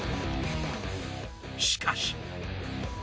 しかし。